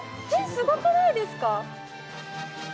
すごくないですか。